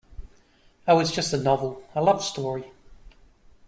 Oh, it's just a novel, a love story.